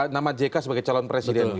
nama jk sebagai calon presiden gitu ya